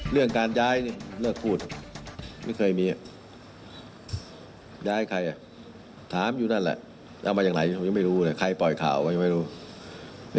เรื่องการย้ายเลือกพูด